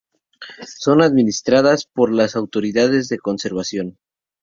Son administradas por las autoridades de conservación.